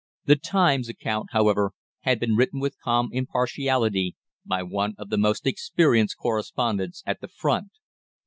The "Times" account, however, had been written with calm impartiality by one of the most experienced correspondents at the front.